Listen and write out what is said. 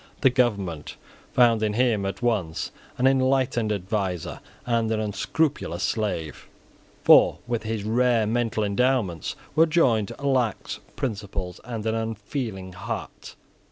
The government found in him at once an enlightened adviser and an unscrupulous slave. For with his rare mental endowments were joined lax principles and an unfeeling heart.